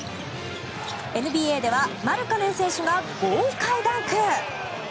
ＮＢＡではマルカネン選手が豪快ダンク。